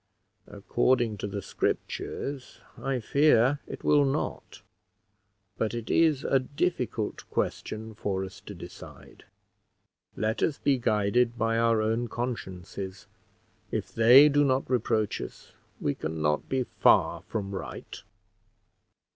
"According to the Scriptures, I fear it will not, but it is a difficult, question for us to decide. Let us be guided by our own consciences; if they do not reproach us, we can not be far from right."